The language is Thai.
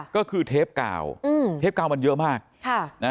ก็คือเทปกาวอืมเทปกาวมันเยอะมากค่ะนะ